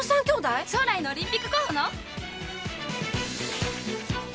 将来のオリンピック候補の？